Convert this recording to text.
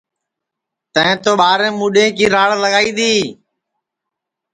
تیں تو ٻاریں موڈؔیں کی راڑ لگائی دؔی